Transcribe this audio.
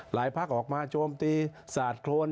พักออกมาโจมตีสาดโครน